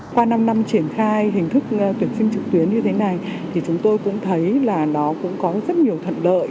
qua năm năm triển khai hình thức tuyển sinh trực tuyến như thế này thì chúng tôi cũng thấy là nó cũng có rất nhiều thuận lợi